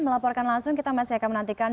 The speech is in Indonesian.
melaporkan langsung kita masih akan menantikan